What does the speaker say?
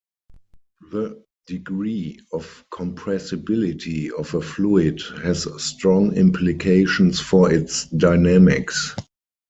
The degree of compressibility of a fluid has strong implications for its dynamics.